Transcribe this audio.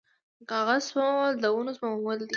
د کاغذ سپمول د ونو سپمول دي